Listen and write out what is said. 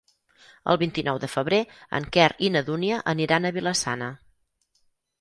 El vint-i-nou de febrer en Quer i na Dúnia aniran a Vila-sana.